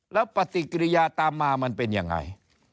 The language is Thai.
แล้วปฏิกิริยาตามมามันเป็นยังไง